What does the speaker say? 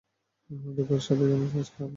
দুঃখের সাথে জানাচ্ছি, আজকে আর না।